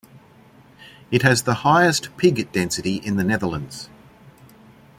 It has the highest pig density in the Netherlands.